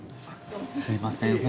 すいません。